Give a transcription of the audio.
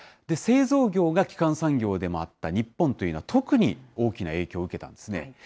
製造業が基幹産業でもあった日本というのは、特に大きな影響を受けたんですね。